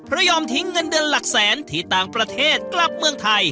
ยอมทิ้งเงินเดือนหลักแสนที่ต่างประเทศกลับเมืองไทย